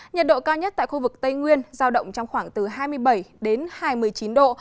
nhiệt độ cao nhất tại khu vực tây nguyên giao động trong khoảng từ hai mươi bảy đến hai mươi chín độ